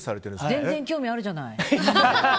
全然興味あるじゃない。